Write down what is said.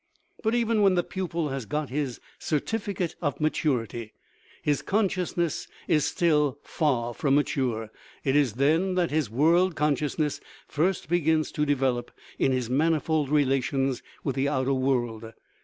But even when the pupil has got his " certificate of maturity " his consciousness is still far from mature ; it is then that his " world consciousness " first begins to develop, in his manifold relations with the outer world.